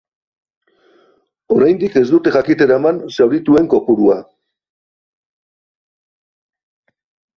Oraindik ez dute jakitera eman zaurituen kopurua.